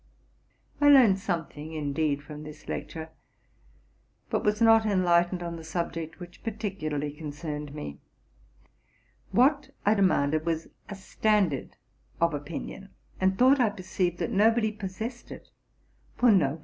'' I learned something, indeed, from this lecture, but was not enlightened on the subject which particularly con cerned me. What I demanded was a standard of opinion, and thought I perceived that nobody possessed it; for ne RELATING TO MY LIFE.